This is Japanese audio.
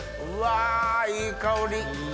うわいい香り！